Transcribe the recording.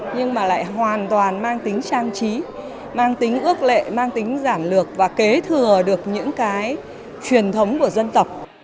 nhưng mà lại hoàn toàn mang tính trang trí mang tính ước lệ mang tính giản lược và kế thừa được những cái truyền thống của dân tộc